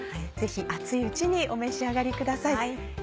ぜひ熱いうちにお召し上がりください。